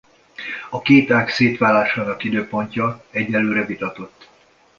A két ág szétválásának időpontja egyelőre vitatott.